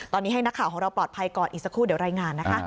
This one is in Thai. ตอนนี้ให้นักข่าวของเราปลอดภัยก่อนอีกสักครู่เดี๋ยวรายงานนะคะ